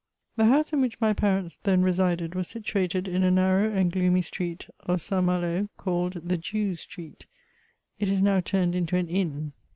* The house in which my parents then resided, was situated in a narrow and gloomy street of St. Malo, called the Jew's Street : it is now turned into an inn.